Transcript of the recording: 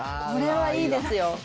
これはいいですよ。